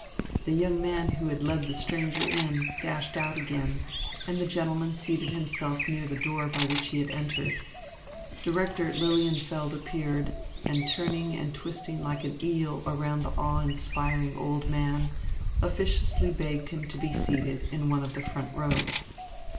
The young man who had led the stranger in, dashed out again, and the gentleman seated himself near the door by which he had entered. Director Lilienfeld appeared and, turning and twisting like an eel around the awe inspiring old man, officiously begged him to be seated in one of the front rows.